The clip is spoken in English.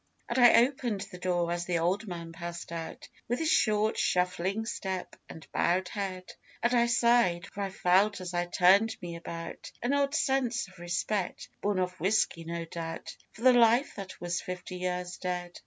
And I opened the door as the old man passed out, With his short, shuffling step and bowed head; And I sighed, for I felt as I turned me about, An odd sense of respect born of whisky no doubt For the life that was fifty years dead.